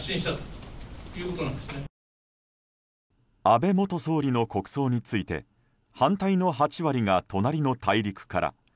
安倍元総理の国葬について反対の８割が隣の大陸から。